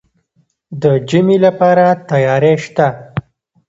د ژمي لپاره تیاری شته؟